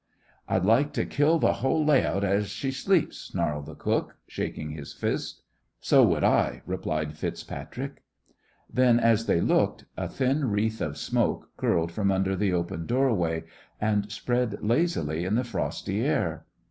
"I'd like t' kill th' whole lay out as she sleeps," snarled the cook, shaking his fist. "So would I," replied FitzPatrick. Then as they looked, a thin wreath of smoke curled from under the open doorway and spread lazily in the frosty air.